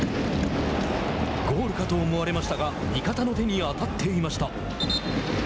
ゴールかと思われましたが味方の手に当たっていました。